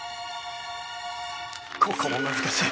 ここも難しい！